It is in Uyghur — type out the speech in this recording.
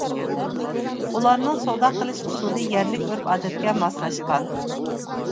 ئۇلارنىڭ سودا قىلىش ئۇسۇلى يەرلىك ئۆرپ-ئادەتكە ماسلاشقان.